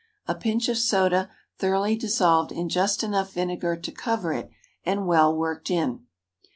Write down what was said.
A pinch of soda, thoroughly dissolved in just enough vinegar to cover it, and well worked in.